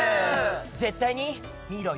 絶対に見ろよ！